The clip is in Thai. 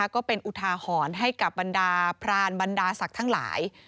ก็เป็นอุทาหรณ์ให้กับบรรดาพรานบรรดาศักดิ์ทั้งหลาย